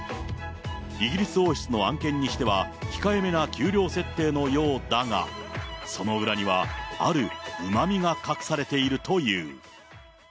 イギリス王室の案件にしては控えめな給料設定のようだが、その裏には、あるうまみが隠されているという。